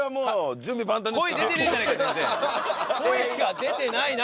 声が出てないな！